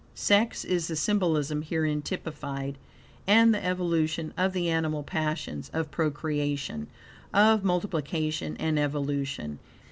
Sex is the symbolism herein typified, and the evolution of the animal passions of procreation, of multiplication and evolution.